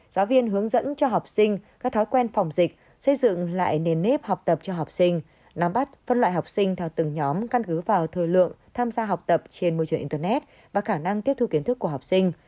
giáo viên hướng dẫn cho học sinh các thói quen phòng dịch xây dựng lại nền nếp học tập cho học sinh nắm bắt phân loại học sinh theo từng nhóm căn cứ vào thời lượng tham gia học tập trên môi trường internet và khả năng tiếp thu kiến thức của học sinh